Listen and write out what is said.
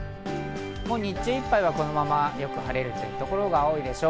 日中いっぱいは、このままよく晴れてるところが多いでしょう。